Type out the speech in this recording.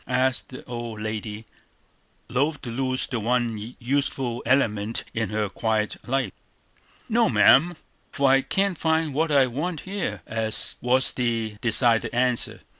asked the old lady, loth to lose the one youthful element in her quiet life. "No, ma'am, for I can't find what I want here," was the decided answer.